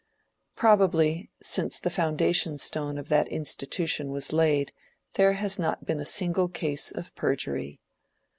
Probably, since the foundation stone of that institution was laid there has not been a single case of perjury.